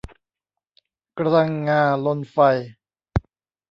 กระดังงาลนไฟ